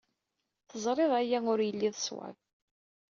Teẓrid aya ur yelli d ṣṣwab.